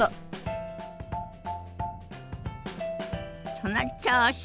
その調子！